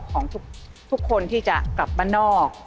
ของทุกคนที่จะกลับบ้านนอก